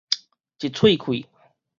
一喙氣